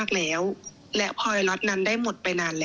โฆษฎาพอจะบอกราคาพี่ได้ไหมคะ